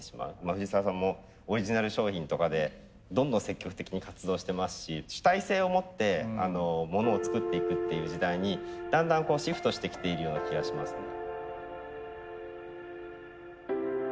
藤澤さんもオリジナル商品とかでどんどん積極的に活動してますし主体性を持ってモノを作っていくっていう時代にだんだんこうシフトしてきているような気がしますね。